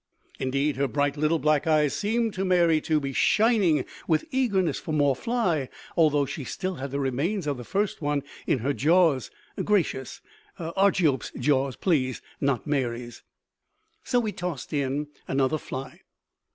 Indeed her bright little black eyes seemed to Mary to be shining with eagerness for more fly, although she still had the remains of the first one in her jaws gracious, Argiope's jaws, please, not Mary's! So we tossed in another fly.